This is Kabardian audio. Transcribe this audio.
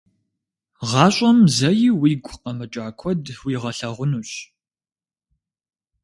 Гъащӏэм зэи уигу къэмыкӏа куэд уигъэлъагъунущ.